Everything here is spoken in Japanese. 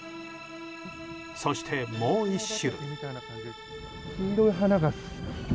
そして、もう１種。